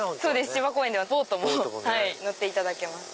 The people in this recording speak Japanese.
千葉公園ではボートも乗っていただけます。